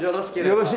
よろしい？